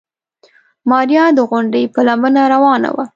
ماريا د غونډۍ په لمنه روانه وه.